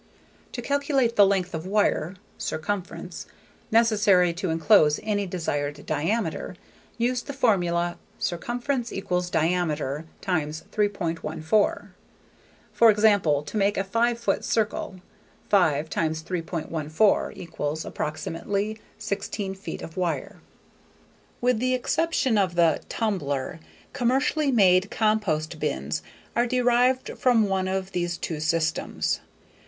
To calculate the length of wire (circumference) necessary to enclose any desired diameter, use the formula Circumference = Diameter x 3.14. For example, to make a five foot circle: 5 x 3.14 = approximately 16 feet of wire. With the exception of the "tumbler," commercially made compost bins are derived from one of these two systems.